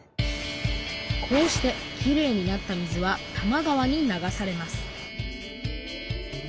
こうしてきれいになった水は多摩川に流されます